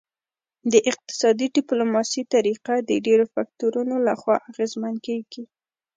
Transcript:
د اقتصادي ډیپلوماسي طریقه د ډیرو فکتورونو لخوا اغیزمن کیږي